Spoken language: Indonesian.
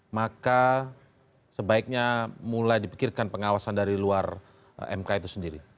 maka sebaiknya mulai dipikirkan pengawasan dari luar mk itu sendiri